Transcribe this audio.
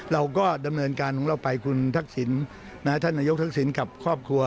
เราก็ดำเนินการของเราไปคุณทักษิณท่านนายกทักษิณกับครอบครัว